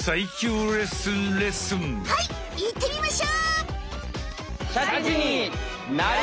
はいいってみましょう！